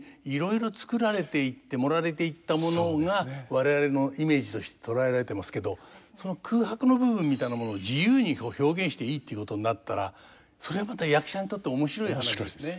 我々のイメージとして捉えられてますけどその空白の部分みたいなものを自由に表現していいっていうことになったらそれはまた役者にとって面白い話ですね。